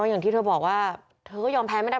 อย่างที่เธอก็บอกแทนก็ยอมแพ้ไม่ได้